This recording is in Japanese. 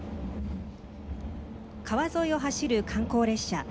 川沿いを走る観光列車。